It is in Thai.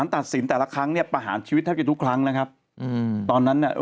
ตัดสินแต่ละครั้งเนี่ยประหารชีวิตแทบจะทุกครั้งนะครับอืมตอนนั้นน่ะ